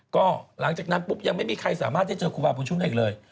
ก็หลังจากนั้นปุ๊บยังไม่มีใครสามารถได้เจอครูบาบุญชุมได้อีกเลย